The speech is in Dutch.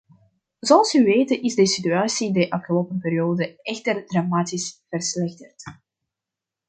Zoals u weet is de situatie de afgelopen periode echter dramatisch verslechterd.